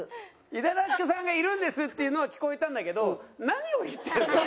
「井手らっきょさんがいるんです」っていうのは聞こえたんだけど何を言ってるの？